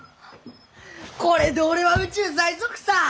これで俺は宇宙最速さー！